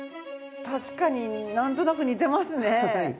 確かになんとなく似てますね。